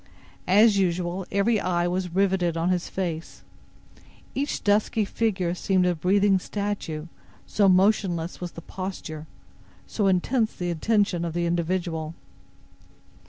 As usual, every eye was riveted on his face. Each dusky figure seemed a breathing statue, so motionless was the posture, so intense the attention of the individual.